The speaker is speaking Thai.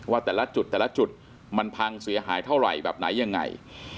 ว่าแต่ละจุดแต่ละจุดมันพังเสียหายเท่าไหร่แบบไหนยังไง